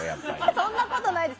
そんなことないです。